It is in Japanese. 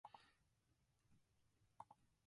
あなたと過ごすなら後悔はありません